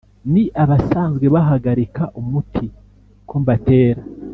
Ni abasanzwe bahagarika umuti ko mbatera,